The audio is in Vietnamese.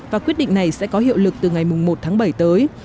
và quyết định này sẽ có hiệu lực từ ngày một tháng bảy tới